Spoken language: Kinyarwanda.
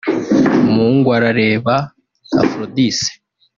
Mungwarareba Aphrodis